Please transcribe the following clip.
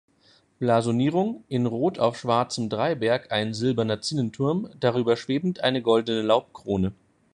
Blasonierung: „In Rot auf schwarzem Dreiberg ein silberner Zinnenturm, darüber schwebend eine goldene Laubkrone“.